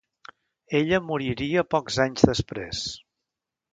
Ella moriria pocs anys després.